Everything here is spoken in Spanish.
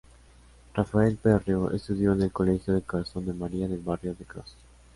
Rafael Berrio estudió en el colegio del Corazón de María del barrio de Gros.